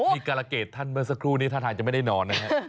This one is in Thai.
การะเกดท่านเมื่อสักครู่นี้ท่าทางจะไม่ได้นอนนะฮะ